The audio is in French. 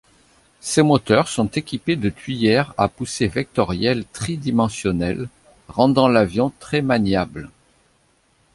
Ces moteurs sont équipés de tuyères à poussée vectorielle tridimensionnelles, rendant l'avion très maniable.